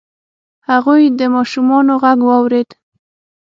هغوی د ماشومانو غږ واورید.